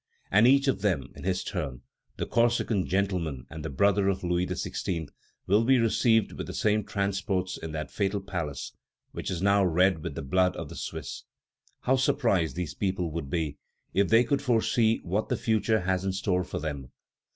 And each of them in his turn, the Corsican gentleman and the brother of Louis XVI., will be received with the same transports in that fatal palace which is now red with the blood of the Swiss! How surprised these people would be if they could foresee what the future has in store for them!